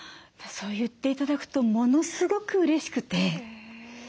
そう言って頂くとものすごくうれしくて。